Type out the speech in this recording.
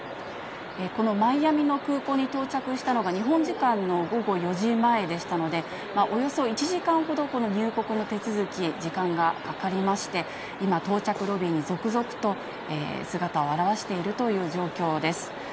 このマイアミの空港に到着したのが、日本時間の午後４時前でしたので、およそ１時間ほど、入国の手続き、時間がかかりまして、今、到着ロビーに続々と姿を現しているという状況です。